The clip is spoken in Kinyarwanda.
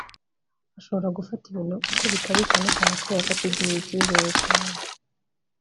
ashobora gufata ibintu uko bitari cyane cyane kubera ko atigirira icyizere cyane